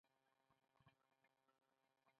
کله چې په درې او یو سوه کال کې یو کنډک مېشت شو